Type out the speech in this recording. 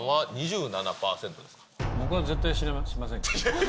僕は絶対しません。